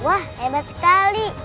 wah hebat sekali